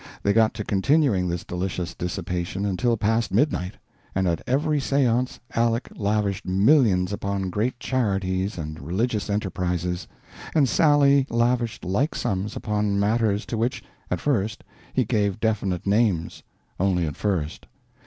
They got to continuing this delicious dissipation until past midnight; and at every seance Aleck lavished millions upon great charities and religious enterprises, and Sally lavished like sums upon matters to which (at first) he gave definite names. Only at first.